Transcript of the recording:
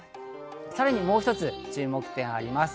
さらにもう一つ、注目点があります。